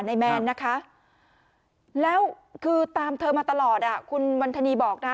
แมนนะคะแล้วคือตามเธอมาตลอดคุณวันธนีบอกนะ